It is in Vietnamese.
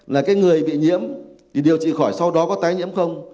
là cái người bị nhiễm thì điều trị khỏi sau đó có tái nhiễm không